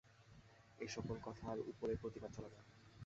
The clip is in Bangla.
এ-সকল কথার উপরে প্রতিবাদ চলে না।